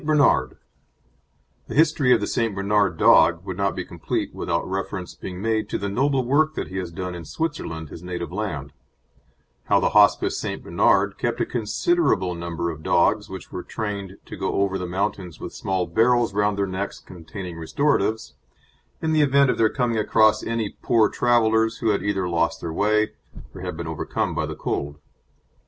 BERNARD The history of the St. Bernard dog would not be complete without reference being made to the noble work that he has done in Switzerland, his native land: how the Hospice St. Bernard kept a considerable number of dogs which were trained to go over the mountains with small barrels round their necks, containing restoratives, in the event of their coming across any poor travellers who had either lost their way, or had been overcome by the cold.